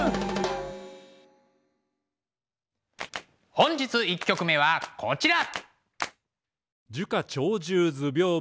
本日１曲目はこちら。